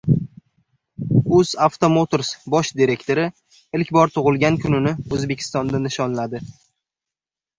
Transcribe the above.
“UzAuto Motors” bosh direktori ilk bor tug‘ilgan kunini O‘zbekistonda nishonladi